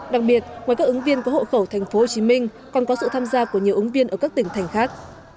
đặc biệt ngoài các ứng viên của hộ khẩu tp hcm còn có sự tham gia của nhiều ứng viên ở các tỉnh thành khác